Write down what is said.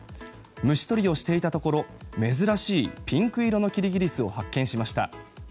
虫取りをしていたところ珍しいピンク色のキリギリスを発見しました。